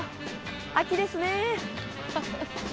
秋ですね。